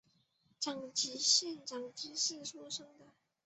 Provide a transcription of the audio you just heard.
长崎县长崎市出身。